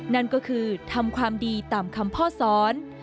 นั่นก็คือทำความดีตามคำพ่อสอน